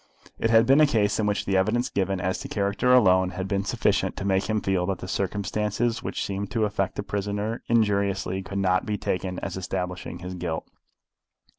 It had been a case in which the evidence given as to character alone had been sufficient to make him feel that the circumstances which seemed to affect the prisoner injuriously could not be taken as establishing his guilt.